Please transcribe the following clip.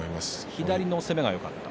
左の攻めがよかった。